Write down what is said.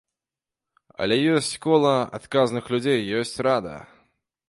Але ёсць кола адказных людзей, ёсць рада.